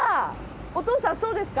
お父さんそうですか？